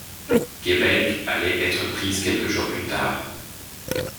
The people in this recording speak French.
Québec allait être prise quelques jours plus tard.